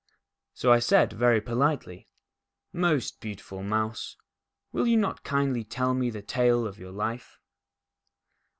So I said, very politely :" Most beautiful Mouse, will you not kindly tell me the tale of your life